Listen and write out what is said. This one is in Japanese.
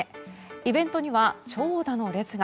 イベントには長蛇の列が。